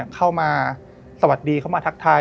เข้ามาสวัสดีเข้ามาทักทาย